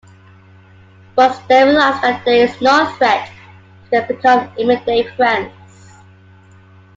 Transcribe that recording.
Once they realize that there is no threat, they can become immediate friends.